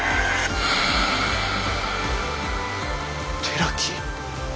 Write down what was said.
寺木？